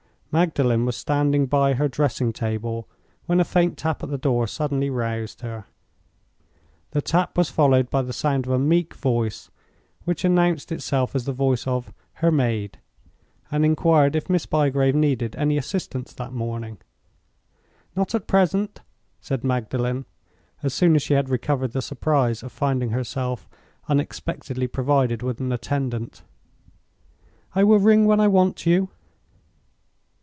Magdalen was standing by her dressing table when a faint tap at the door suddenly roused her. The tap was followed by the sound of a meek voice, which announced itself as the voice of "her maid," and inquired if Miss Bygrave needed any assistance that morning. "Not at present," said Magdalen, as soon as she had recovered the surprise of finding herself unexpectedly provided with an attendant. "I will ring when I want you."